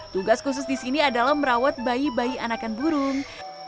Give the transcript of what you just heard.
tugas khusus di sini adalah merawat bayi bayi anakan burung